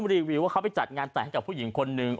รีวิวว่าเขาไปจัดงานแต่งให้กับผู้หญิงคนนึง